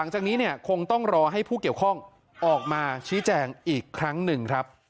จากนี้เนี่ยคงต้องรอให้ผู้เกี่ยวข้องออกมาชี้แจงอีกครั้งหนึ่งครับ